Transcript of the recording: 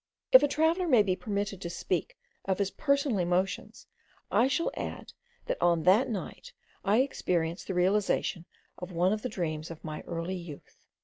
If a traveller may be permitted to speak of his personal emotions, I shall add, that on that night I experienced the realization of one of the dreams of my early youth.